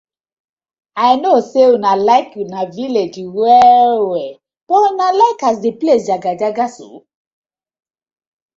I no say una like una villag well well but una like as di place jagajaga so?